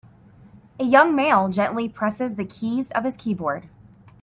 A young male gently presses the keys of his keyboard.